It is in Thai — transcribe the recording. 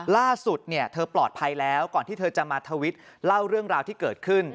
ล่าสุดเธอปลอดภัยแล้วก่อนที่เธอจะมาทวิตเล่าเรื่องราวที่เกิดขึ้น